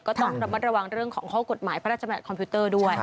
ก็ต้องระมัดระวังเรื่องของข้อกฎหมายพระราชบัติคอมพิวเตอร์ด้วย